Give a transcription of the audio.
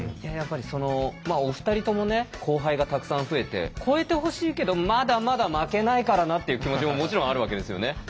やっぱりお二人ともね後輩がたくさん増えて超えてほしいけどまだまだ負けないからなって気持ちももちろんあるわけですよね？